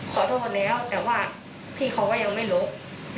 ขอโทษแล้วแต่ว่าพี่เขาก็ยังไม่ลบ